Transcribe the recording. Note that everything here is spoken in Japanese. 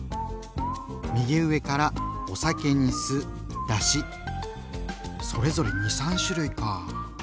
右上からお酒に酢だしそれぞれ２３種類かぁ。